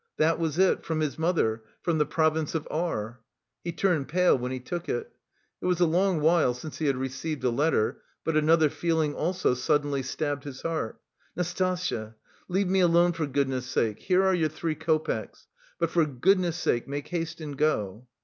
That was it: from his mother, from the province of R . He turned pale when he took it. It was a long while since he had received a letter, but another feeling also suddenly stabbed his heart. "Nastasya, leave me alone, for goodness' sake; here are your three copecks, but for goodness' sake, make haste and go!"